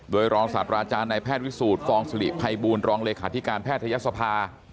โดยรองศาสตราอาจารย์ในแพทย์วิสูจน์ฟองศิริภัยบูรณรองเลขาธิการแพทยศภา